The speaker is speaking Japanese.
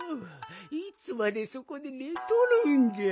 いつまでそこでねとるんじゃ。